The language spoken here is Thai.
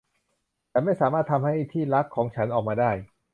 ฉันไม่สามารถทำให้ที่รักของฉันออกมาได้